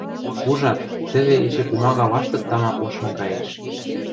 Ужат, тӹве эче пумага лаштык тама ошын каеш.